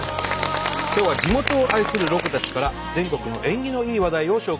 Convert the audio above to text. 今日は地元を愛するロコたちから全国の縁起のいい話題を紹介してもらいます。